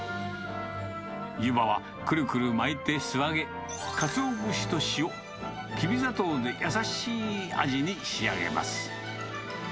ゆばは、くるくる巻いて素揚げ、かつお節と塩、きび砂糖でやさしい味に仕上げます。